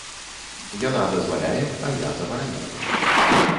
Яна дазваляе, а я забараняю.